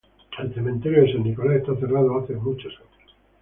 El cementerio de San Nicolás está cerrado hace muchos años.